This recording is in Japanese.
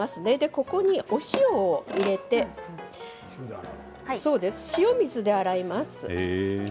ここにお塩を入れて塩水で洗います。